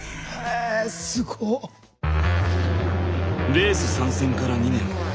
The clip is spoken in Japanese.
レース参戦から２年。